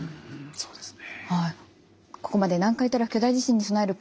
そうですね。